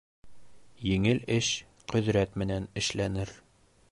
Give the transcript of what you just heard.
Еңел эш ҡөҙрәт менән эшләнер.